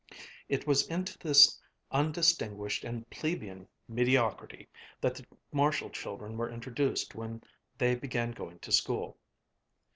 It was into this undistinguished and plebeian mediocrity that the Marshall children were introduced when they began going to school.